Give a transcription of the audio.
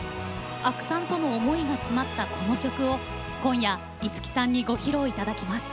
阿久さんとの思いが詰まったこの曲を今夜五木さんにご披露頂きます。